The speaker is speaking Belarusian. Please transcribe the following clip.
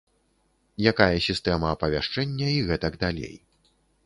Якая сістэма апавяшчэння, і гэтак далей.